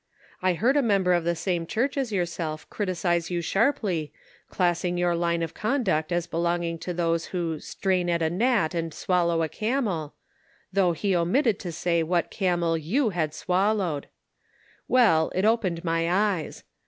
I heard a member of the same church as your self criticise you sharply, classing your line of conduct as belonging to those who ' strain at a gnat aud swallow a camel,' though he omit ted to say what camel you had swallowed. Well, it opened my eyes.